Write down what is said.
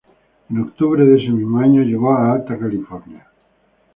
En octubre de ese mismo año llegó a Alta California.